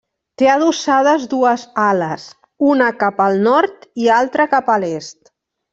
Té adossades dues ales, una cap al nord i altra cap a l'est.